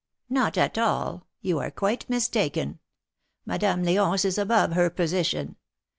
Not at all. You are quite mistaken. Madame Leonce is above her position.